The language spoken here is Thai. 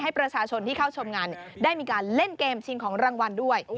ให้ประชาชนที่เข้าชมงานได้มีการเล่นเกมชิงของรางวัลด้วย